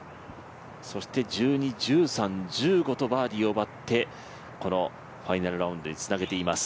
そして、１２、１３、１５とバーディーを奪ってこのファイナルラウンドにつなげています。